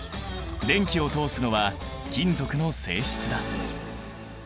電気を通すのは金属の性質だ。